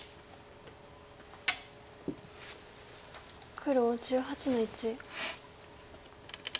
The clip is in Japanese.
黒１８の一。